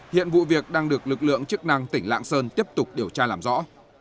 hiện vụ việc đang được lực lượng chức năng tỉnh lạng sơn tiếp tục điều tra làm rõ